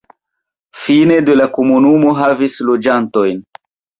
Fine de la komunumo havis loĝantojn.